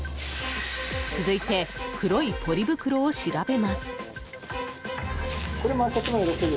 続いて、黒いポリ袋を調べます。